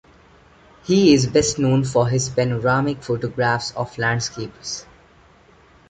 He is best known for his panoramic photographs of landscapes.